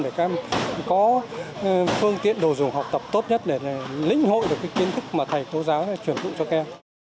để các em có phương tiện đồ dùng học tập tốt nhất để linh hội được cái kiến thức mà thầy cô giáo đã truyền thụ cho các em